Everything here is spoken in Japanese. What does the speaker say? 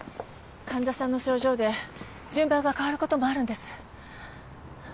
患者さんの症状で順番が変わることもあるんです。